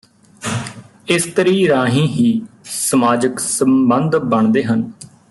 ਇਸਤਰੀ ਰਾਹੀਂ ਹੀ ਸਮਾਜਕ ਸੰਬੰਧ ਬਣਦੇ ਹਨ